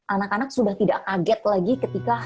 anak anak sudah tidak kaget lagi ketika